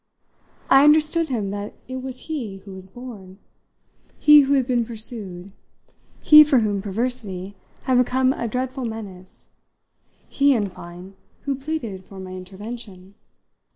I understood him that it was he who was bored, he who had been pursued, he for whom perversity had become a dreadful menace, he, in fine, who pleaded for my intervention.